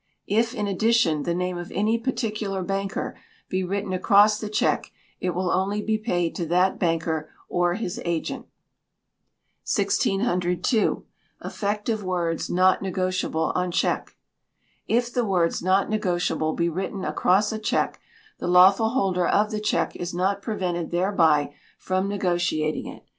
If, in addition, the name of any particular banker be written across the cheque, it will only be paid to that banker or his agent. 1602. Effect of Words "Not Negotiable" on Cheque. If the words "Not Negotiable" be written across a cheque, the lawful holder of the cheque is not prevented thereby from negotiating it.